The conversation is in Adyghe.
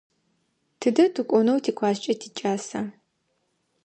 Тыдэ тыкӏонэу тикласскӏэ тикӏаса?